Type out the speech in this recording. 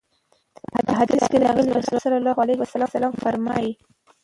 په حديث کي راځي: رسول الله صلی الله عليه وسلم فرمايلي: